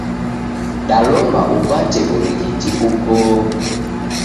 Dalomba upate w'urighiti uboo.